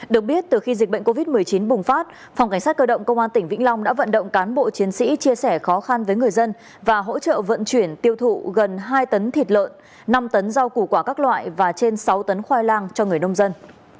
được biết từ khi dịch bệnh covid một mươi chín bùng phát phòng cảnh sát cơ động công an tỉnh vĩnh long đã vận động cán bộ chiến sĩ chia sẻ khó khăn với người dân và hỗ trợ vận chuyển tiêu thụ gần hai tấn thịt lợn năm tấn rau củ quả các loại và trên sáu tấn khoai lang cho người nông dân